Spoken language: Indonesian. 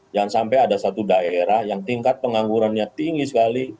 jangan sampai ada satu daerah yang tingkat penganggurannya tinggi sekali